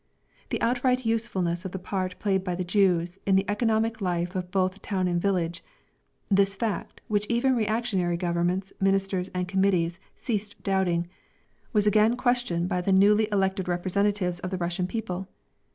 The outright usefulness of the part played by the Jews in the economic life of both town and village, this fact, which even reactionary governments, ministers and committees ceased doubting, was again questioned by the newly elected representatives of the Russian people.